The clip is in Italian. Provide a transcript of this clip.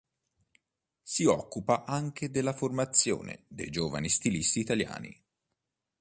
Si occupa anche della formazione dei giovani stilisti italiani.